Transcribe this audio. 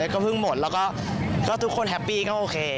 ก็เพิ่งหมดแล้วก็ทุกคนแฮปปี้ก็โอเค